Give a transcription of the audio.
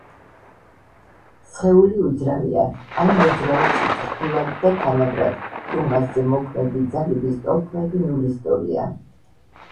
სხეული უძრავია ან მოძრაობს წრფივად და თანაბრად თუ მასზე მოქმედი ძალების ტოლქმედი ნულის ტოლია.